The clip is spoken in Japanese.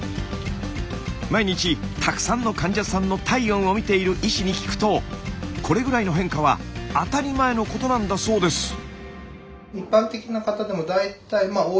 毎日たくさんの患者さんの体温をみている医師に聞くとこれぐらいの変化は当たり前のことなんだそうです。